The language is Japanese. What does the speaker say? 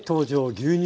牛乳。